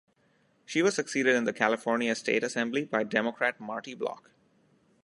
She was succeeded in the California State Assembly by Democrat Marty Block.